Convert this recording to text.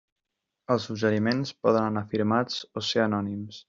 Els suggeriments poden anar firmats o ser anònims.